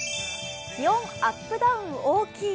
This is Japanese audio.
気温アップダウン大きい。